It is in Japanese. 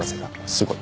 すごい。